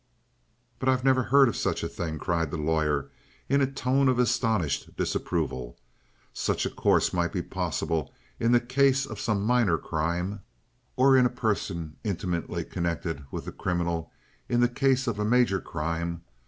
"But I never heard of such a thing!" cried the lawyer in a tone of astonished disapproval. "Such a course might be possible in the case of some minor crime, or in a person intimately connected with the criminal in the case of a major crime.